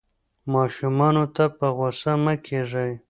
ماشومانو ته په غوسه مه کېږئ.